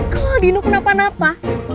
kalau aldino kenapa napa